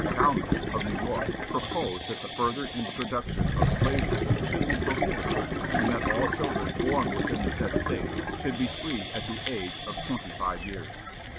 Tallmadge of New York proposed that the further introduction of slavery should be prohibited, and that all children born within the said State should be free at the age of twenty five years.